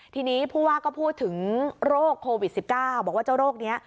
ทีนี้ผู้ว่าก็พูดถึงโรคโควิด๑๙บอกว่าเจ้าโรคนี้